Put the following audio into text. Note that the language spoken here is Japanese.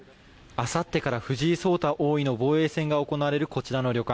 あさってから藤井聡太王位の防衛戦が行われるこちらの旅館。